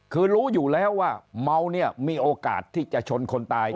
คือรู้อยู่แล้วว่าเมาเนี่ยมีโอกาสที่จะชนคนตาย